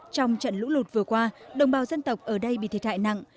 trong trận lũ lụt vừa qua đồng bào dân tộc ở đây bị thiệt hại nặng